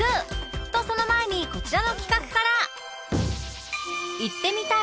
とその前にこちらの企画から